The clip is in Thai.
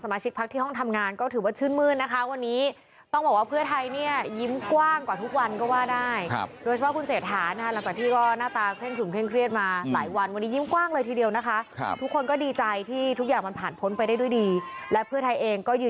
สำนักทางเลขาสภาอีกทีหนึ่ง